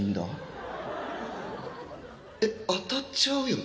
えっ当たっちゃうよね？